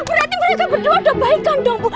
berarti mereka berdua udah baik kan dong bu